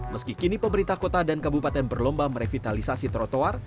meski kini pemerintah kota dan kabupaten berlomba merevitalisasi trotoar